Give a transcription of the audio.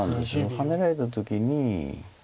ハネられた時に。